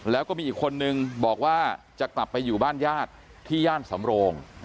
แล้วก็มีอีกคนนึงบอกว่าจะกลับไปอยู่บ้านญาติที่ย่านสำโรง